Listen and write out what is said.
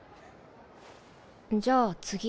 じゃあ次。